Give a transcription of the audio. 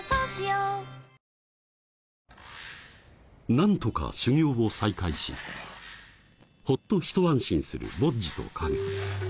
［何とか修行を再開しほっと一安心するボッジとカゲ］